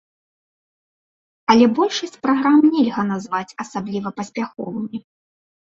Але большасць праграм нельга назваць асабліва паспяховымі.